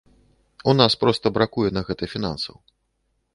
У нас проста бракуе на гэта фінансаў.